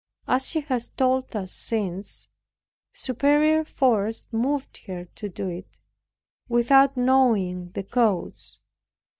As she has told us since, a superior force moved her to do it, without knowing the cause.